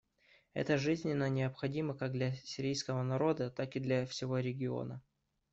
Это жизненно необходимо как для сирийского народа, так и для всего региона.